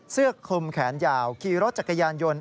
เสื้อคลุมแขนยาวขี่รถจักรยานยนต์